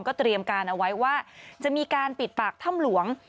เตรียมการเอาไว้ว่าจะมีการปิดปากถ้ำหลวง